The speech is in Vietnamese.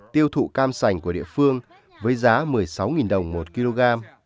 tiêu thụ cam sành của địa phương với giá một mươi sáu đồng một kg